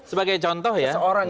sebagai contoh ya